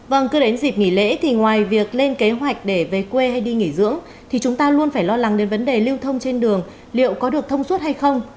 vâng cứ đến dịp nghỉ lễ thì ngoài việc lên kế hoạch để về quê hay đi nghỉ dưỡng thì chúng ta luôn phải lo lắng đến vấn đề lưu thông trên đường liệu có được thông suốt hay không